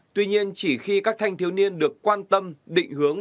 tuy nhiên chỉ khi các thanh thiếu niên được quan tâm định hướng